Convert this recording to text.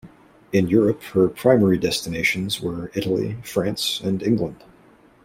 In Europe, her primary destinations were Italy, France and England.